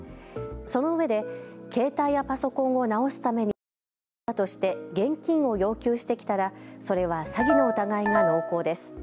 そのうえで携帯やパソコンを直すために必要だとして現金を要求してきたらそれは詐欺の疑いが濃厚です。